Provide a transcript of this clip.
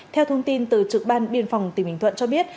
theo thông tin từ trực ban biên phòng tỉnh bình thuận cho biết